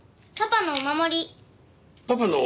パパのお守り？